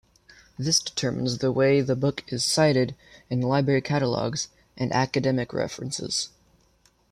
This determines the way the book is cited in library catalogs and academic references.